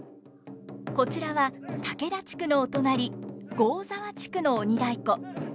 こちらは竹田地区のお隣合沢地区の鬼太鼓。